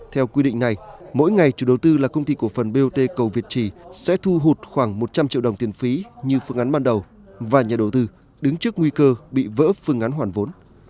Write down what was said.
theo quy định này mỗi ngày chủ đầu tư là công ty cổ phần bot cầu việt trì sẽ thu hút khoảng một trăm linh triệu đồng tiền phí như phương án ban đầu và nhà đầu tư đứng trước nguy cơ bị vỡ phương án hoàn vốn